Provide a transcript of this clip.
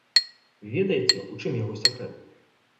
Ведаеце, у чым яго сакрэт?